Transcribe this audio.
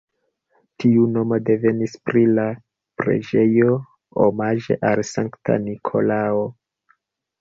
Tiu nomo devenis pri la preĝejo omaĝe al Sankta Nikolao.